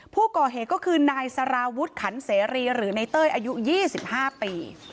ผู้ก่อเหตุก็คือนายสารวุฒิขันเสรีหรือในเต้ยอายุ๒๕ปี